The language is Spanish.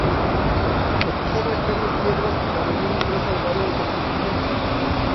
Al cruzar la calle Piedras, la Avenida ingresa al barrio de Constitución.